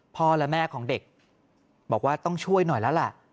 พ่อและแม่ของเด็กบอกว่าต้องช่วยหน่อยแล้วล่ะ